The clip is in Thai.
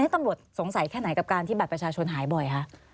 ตำรวจสงสัยแค่ไหนกับการที่บัตรประชาชนหายบ่อยคะ